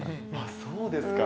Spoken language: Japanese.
そうですか。